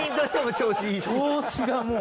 調子がもう。